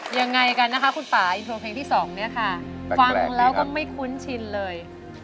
ยังไงกันนะคะคุณป่าอินโทรเพลงที่๒เนี่ยค่ะฟังแล้วก็ไม่คุ้นชินเลย